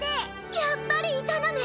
やっぱりいたのね！